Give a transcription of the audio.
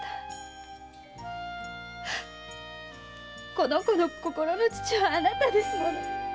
この子の心の父はあなたですもの。